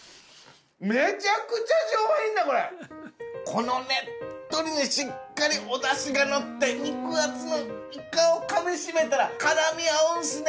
このねっとりにしっかりおダシが乗って肉厚のイカをかみしめたら絡み合うんすね